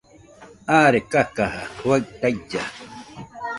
Aare kakaja juaɨ tailla